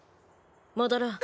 戻ろう。